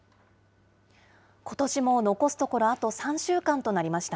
ことしも残すところあと３週間となりました。